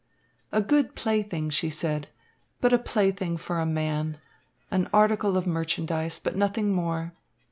"A good plaything," she said, "a plaything for a man, an article of merchandise, but nothing more.